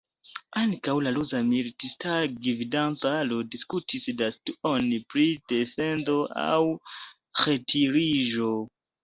Ankaŭ la rusa militista gvidantaro diskutis la situon pri defendo aŭ retiriĝo.